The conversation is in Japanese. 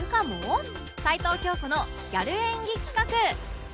齊藤京子のギャル演技企画